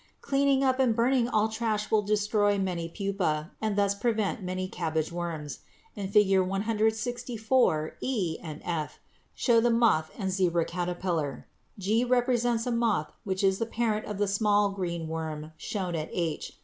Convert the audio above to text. Cleaning up and burning all trash will destroy many pupæ and thus prevent many cabbage worms. In Fig. 164 e and f show the moth and zebra caterpillar; g represents a moth which is the parent of the small green worm shown at h.